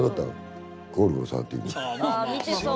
あ見てそう。